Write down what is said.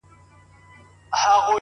د مال- عزت او د سرونو لوټماران به نه وي-